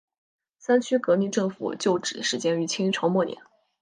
三区革命政府旧址始建于清朝末年。